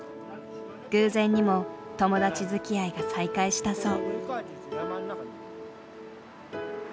偶然にも友達づきあいが再開したそう。